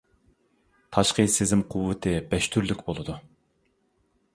تاشقى سېزىم قۇۋۋىتى بەش تۈرلۈك بولىدۇ.